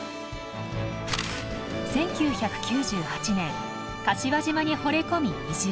１９９８年柏島にほれ込み移住。